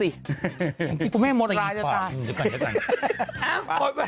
จริงอย่างนี้ก็ไม่ให้มดร้ายจะต้าน